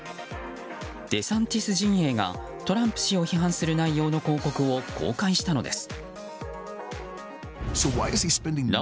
デサンティス陣営がトランプ氏を批判する内容の広告を公開したのです。